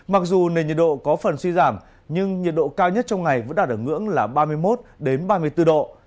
mặc dù nền nhiệt độ có phần suy giảm nhưng nhiệt độ cao nhất trong ngày vẫn đạt ở ngưỡng là ba mươi một ba mươi bốn độ